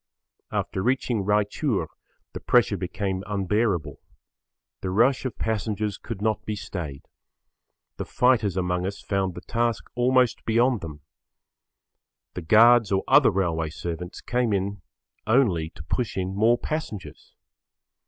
After reaching Raichur the pressure became [Pg 4]unbearable. The rush of passengers could not be stayed. The fighters among us found the task almost beyond them. The guards or other railway servants came in only to push in more passengers.